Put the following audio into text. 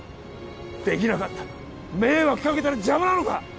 できなかったら迷惑かけたら邪魔なのか？